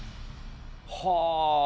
はあ。